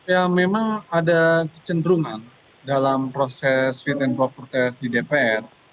ya memang ada kecenderungan dalam proses fit and proper test di dpr